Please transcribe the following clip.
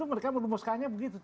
mereka merumuskannya begitu